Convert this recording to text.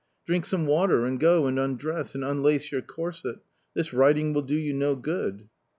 Drink some water and go and undress and unlace your corset. This riding will do you no good